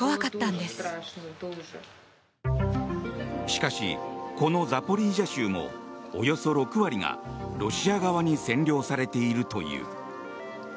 しかし、このザポリージャ州もおよそ６割がロシア側に占領されているという。